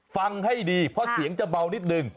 ฟังให้ดีเพราะเสียงจะเบานิดนึง